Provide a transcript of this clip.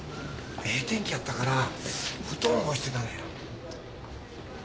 ええ天気やったから布団干してたのや。